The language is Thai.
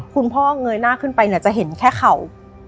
คุณพ่อเงยหน้าขึ้นไปเนี่ยจะเห็นแค่เข่า